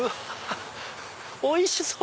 おいしそう！